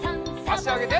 あしあげて。